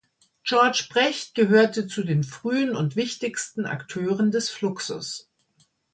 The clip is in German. George Brecht gehörte zu den frühen und wichtigsten Akteuren des Fluxus.